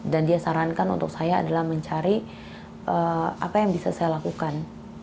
dan dia sarankan untuk saya adalah mencari apa yang bisa saya lakukan